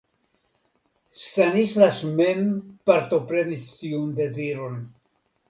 Stanislas mem partoprenis tiun deziron.